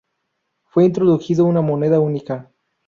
Fue introdujo una moneda única.